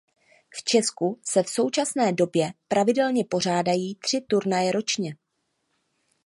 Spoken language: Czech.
V Česku se v současné době pravidelně pořádají tři turnaje ročně.